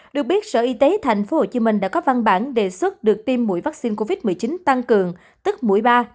được biết sở y tế tp hcm đã có văn bản đề xuất được tiêm mũi vaccine covid một mươi chín tăng cường tức mũi ba